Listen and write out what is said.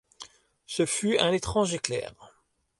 Ce fut un étrange éclair.